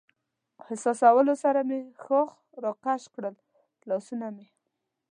احساسولو سره مې ښاخ را کش کړل، لاسونه مې.